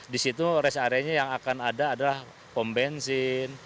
di situ rest areanya yang akan ada adalah pom bensin